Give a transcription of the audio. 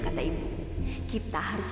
besok teteh kembalilt